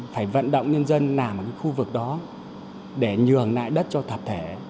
phải vận động nhân dân nằm ở khu vực đó để nhường lại đất cho thập thể